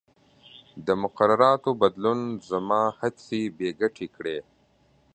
د مقرراتو بدلون زما هڅې بې ګټې کړې.